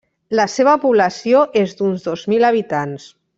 La seva població és d'uns dos mil habitants.